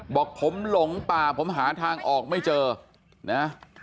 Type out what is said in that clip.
บอกผมหลงป่าผมหาทางออกไม่เจอนะ